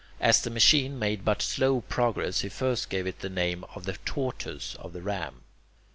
As the machine made but slow progress, he first gave it the name of the tortoise of the ram.